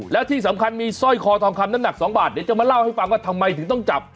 แล้วที่สำคัญมีสร้อยคอทองคำน้ำหนัก๒บาทเดี๋ยวจะมาเล่าให้ฟังว่าทำไมถึงต้องจับ